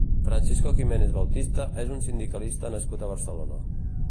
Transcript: Francisco Giménez Bautista és un sindicalista nascut a Barcelona.